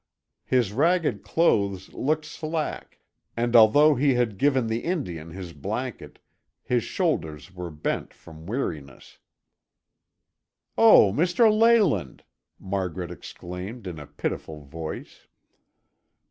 His ragged clothes looked slack and although he had given the Indian his blanket, his shoulders were bent from weariness. "Oh, Mr. Leyland!" Margaret exclaimed in a pitiful voice.